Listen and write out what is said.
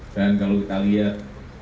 dan kalau kita lihat